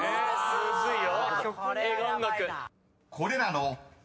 むずいよ。